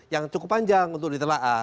yang cukup panjang untuk ditelaah